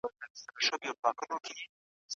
درته منصور سمه پردی له خپله ځانه سمه